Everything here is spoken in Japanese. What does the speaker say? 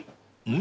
［ん？